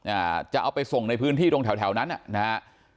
อ่าจะเอาไปส่งในพื้นที่ตรงแถวแถวนั้นอ่ะนะฮะ